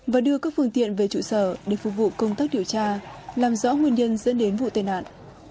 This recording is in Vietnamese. và đưa các phương tiện về trụ sở để phục vụ công tác điều tra làm rõ nguyên nhân dẫn đến vụ tai nạn